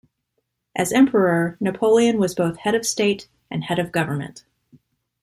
As Emperor, Napoleon was both head of state and head of government.